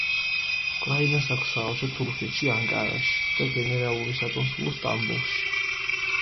უკრაინას აქვს საელჩო თურქეთში ანკარაში და გენერალური საკონსულო სტამბოლში.